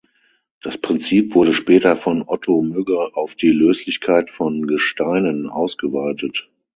Das Prinzip wurde später von Otto Mügge auf die Löslichkeit von Gesteinen ausgeweitet.